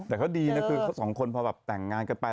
แต่เขาดีนะคือเขาสองคนพอแบบแต่งงานกันไป